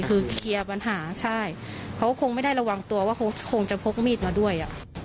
คือเคลียร์ปัญหาใช่เขาคงไม่ได้ระวังตัวว่าเขาคงจะพกมีดมาด้วย